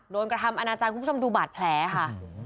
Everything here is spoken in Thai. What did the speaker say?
กระทำอนาจารย์คุณผู้ชมดูบาดแผลค่ะ